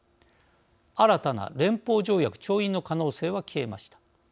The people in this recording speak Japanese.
新たな連邦条約調印の可能性は消えました。